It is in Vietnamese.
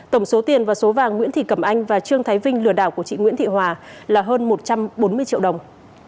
tổng số tiền và số vàng nguyễn thị cẩm anh và trương thái vinh lừa đảo của chị nguyễn thị hòa là hơn một trăm bốn mươi triệu đồng